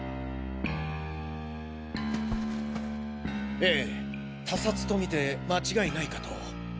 ええ他殺とみて間違いないかと。